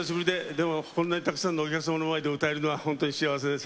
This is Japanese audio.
でも、本当にこんなにたくさんのお客さんの前で歌えるのは本当に幸せです。